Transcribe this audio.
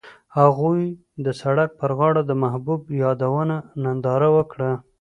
هغوی د سړک پر غاړه د محبوب یادونه ننداره وکړه.